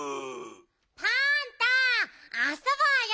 パンタあそぼうよ。